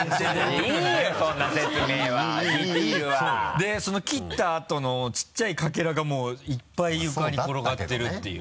でその切ったあとの小さいかけらがもういっぱい床に転がってるっていう。